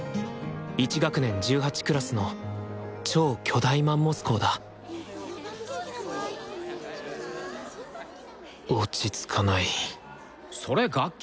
１学年１８クラスの超巨大マンモス校だ落ち着かないそれ楽器？